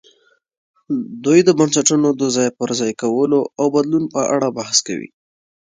دوی د بنسټونو د ځای پر ځای کولو او بدلون په اړه بحث کوي.